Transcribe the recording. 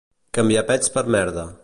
Canviar pets per merda.